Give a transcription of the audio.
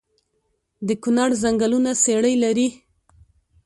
د کونړ ځنګلونه څیړۍ لري؟